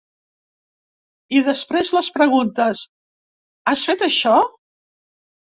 I després, les preguntes: Has fet això?